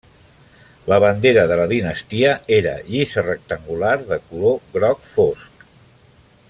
La bandera de la dinastia era llisa rectangular de color groc fosc.